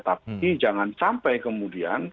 tapi jangan sampai kemudian